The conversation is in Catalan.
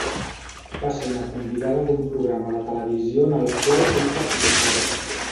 Va ser una convidada d’un programa de televisió en el qual ell participava.